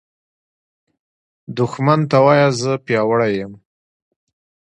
دښمن ته وایه “زه پیاوړی یم”